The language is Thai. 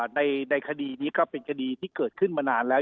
ในคดีนี้ก็เป็นคดีที่เกิดขึ้นมานานแล้ว